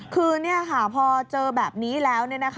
คือพอเจอแบบนี้แล้ว